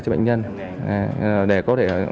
cho bệnh nhân để có thể